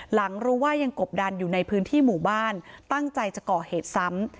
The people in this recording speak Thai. หลังรู้ว่ายังกบดันอยู่ในพื้นที่หมู่บ้านตั้งใจจะก่อเหตุซ้ำ